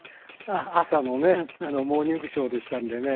朝のね『モーニングショー』でしたんでね。